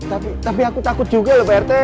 tapi tapi aku takut juga pak rt